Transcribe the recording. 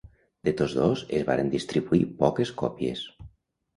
De tots dos es varen distribuir poques còpies.